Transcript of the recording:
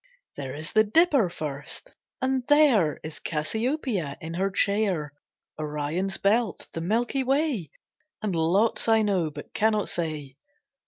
There is the dipper first, and there Is Cassiopeia in her chair, Orion's belt, the Milky Way, And lots I know but cannot say.